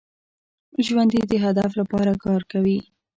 ژوندي د هدف لپاره کار کوي